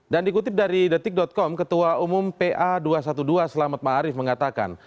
dan dikutip dari detik com ketua umum pa dua ratus dua belas selamat ma'arif mengatakan